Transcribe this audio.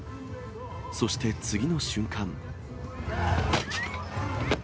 そして、次の瞬間。